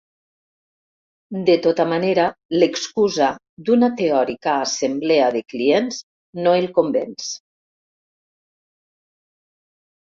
De tota manera l'excusa d'una teòrica assemblea de clients no el convenç.